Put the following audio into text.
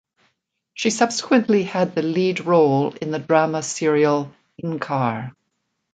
She subsequently had the lead role in the drama serial Inkaar.